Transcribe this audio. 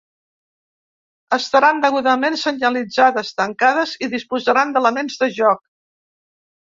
Estaran degudament senyalitzades, tancades i disposaran d’elements de joc.